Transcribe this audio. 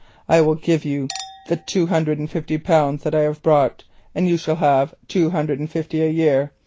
I will give you the two hundred and fifty pounds that I have brought, and you shall have the two hundred and fifty a year.